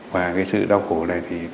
và cái sự đau khổ này